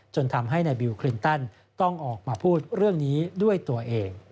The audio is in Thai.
ทำให้นายบิลคลินตันต้องออกมาพูดเรื่องนี้ด้วยตัวเอง